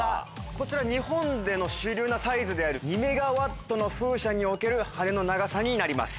こちら日本での主流なサイズである２メガワットの風車における羽根の長さになります。